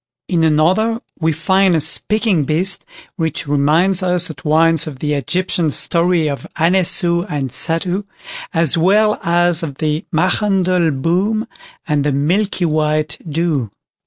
In another we find a "speaking beast", which reminds us at once of the Egyptian story of Anessou and Satou, as well as of the "Machandelboom", and "the Milk white Doo".